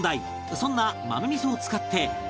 そんな豆味噌を使って